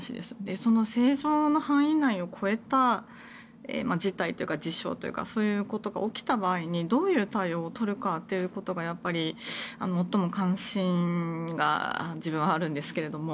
その正常の範囲内を超えた事態というか、事象というかそういうことが起きた場合にどういう対応をとるかがやっぱり、最も関心が自分はあるんですけども。